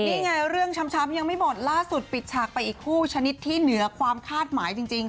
นี่ไงเรื่องช้ำยังไม่หมดล่าสุดปิดฉากไปอีกคู่ชนิดที่เหนือความคาดหมายจริง